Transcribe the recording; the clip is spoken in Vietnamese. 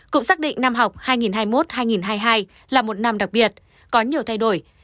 cũng xác định năm học hai nghìn hai mươi một hai nghìn hai mươi hai là một năm đặc biệt có nhiều thay đổi